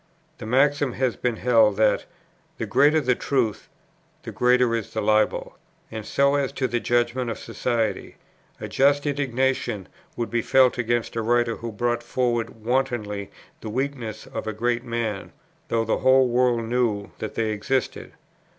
The maxim has been held, that, "The greater the truth, the greater is the libel." And so as to the judgment of society, a just indignation would be felt against a writer who brought forward wantonly the weaknesses of a great man, though the whole world knew that they existed.